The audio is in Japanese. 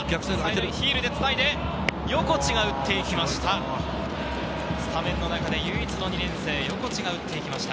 ヒールでつないで、横地が打っていきました。